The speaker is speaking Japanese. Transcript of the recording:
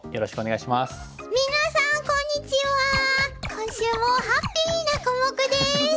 今週もハッピーなコモクです。